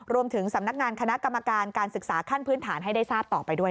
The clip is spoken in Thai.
รวมถึงสำนักงานคณะกรรมการการศึกษาขั้นพื้นฐานให้ได้ทราบต่อไปด้วย